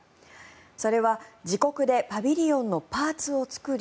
それは自国でパビリオンのパーツを作り